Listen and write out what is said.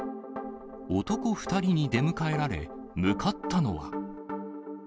男２人に出迎えられ、向かったのは。